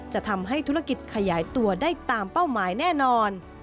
จะทำให้ธุรกิจขยายตัวได้ตามเป้าหมายแน่นอน